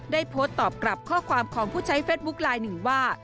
ได้โพสต์ตอบกลับข้อความของผู้ใช้เฟสบุ๊คไลน์หนึ่งว่า